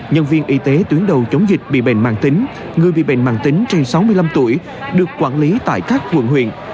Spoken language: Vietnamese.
nhân viên y tế tuyến đầu chống dịch bị bệnh mạng tính người bị bệnh mạng tính trên sáu mươi năm tuổi được quản lý tại các quận huyện